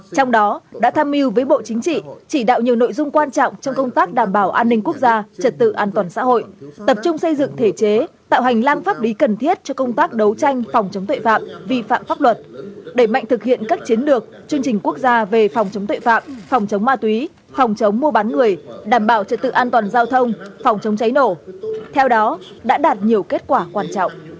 trong đó đã tham mưu với bộ chính trị chỉ đạo nhiều nội dung quan trọng trong công tác đảm bảo an ninh quốc gia trật tự an toàn xã hội tập trung xây dựng thể chế tạo hành lang pháp lý cần thiết cho công tác đấu tranh phòng chống tuệ phạm vi phạm pháp luật để mạnh thực hiện các chiến lược chương trình quốc gia về phòng chống tuệ phạm phòng chống ma túy phòng chống mua bán người đảm bảo trật tự an toàn giao thông phòng chống cháy nổ theo đó đã đạt nhiều kết quả quan trọng